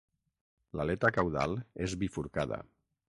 L'aleta caudal és bifurcada.